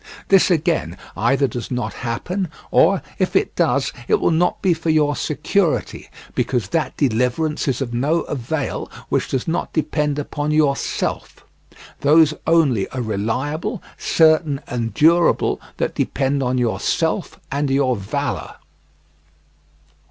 This again either does not happen, or, if it does, it will not be for your security, because that deliverance is of no avail which does not depend upon yourself; those only are reliable, certain, and durable that depend on yourself and your valour.